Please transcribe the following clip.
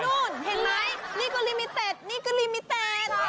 นู่นเห็นไหมนี่กะลิมิเต็ดนี่กะลิมิเต็ด